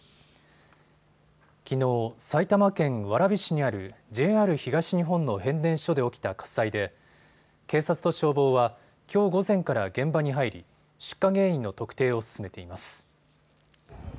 きのう埼玉県蕨市にあるＪＲ東日本の変電所で起きた火災で警察と消防は、きょう午前から現場に入り出火原因の特定を進めています。